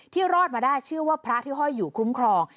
รอดมาได้ชื่อว่าพระที่ห้อยอยู่คุ้มครอง